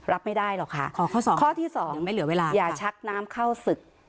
รับไม่ได้หรอกค่ะข้อที่สองไม่เหลือเวลาอย่าชักน้ำเข้าศึก